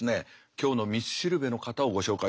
今日の道しるべの方をご紹介したいと思いますね。